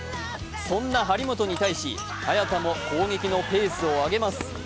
そんな張本に対し早田も攻撃のペースを上げます。